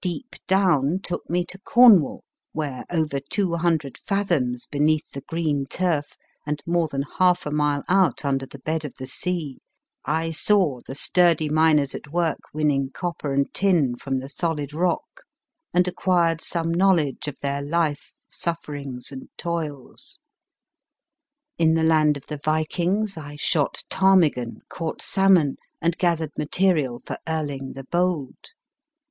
Deep Down took me to Cornwall, where, over two hundred fathoms beneath the green turf, and more than half a mile out under the bed of the sea, I saw the sturdy miners at work winning copper and tin from the solid rock, and acquired some knowledge of their life, sufferings, and toils. In the land of the Vikings I shot ptarmigan, caught salmon, and gathered material for Erling the Bold.